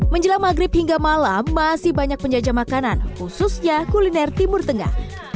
menjelang maghrib hingga malam masih banyak penjajah makanan khususnya kuliner timur tengah